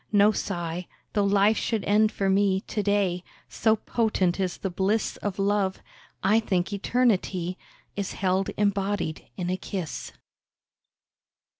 No sigh, though life should end for me To day; so potent is the bliss Of love, I think eternity Is held embodied in a kiss.